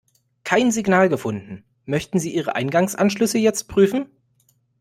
Kein Signal gefunden. Möchten Sie ihre Eingangsanschlüsse jetzt prüfen?